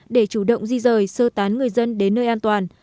để chủ động di rời sơ tán người dân đến nơi an toàn